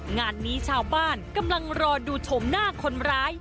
งานนี้ชาวบ้านกำลังรอดูชมหน้าคนร้าย